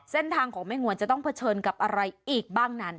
เส้นทางของแม่งวนจะต้องเผชิญกับอะไรอีกบ้างนั้น